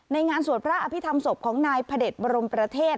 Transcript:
งานสวดพระอภิษฐรรมศพของนายพระเด็จบรมประเทศ